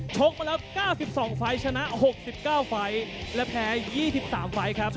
ชกมาแล้ว๙๒ไฟล์ชนะ๖๙ไฟล์และแพ้๒๓ไฟล์ครับ